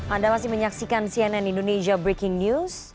anda masih menyaksikan cnn indonesia breaking news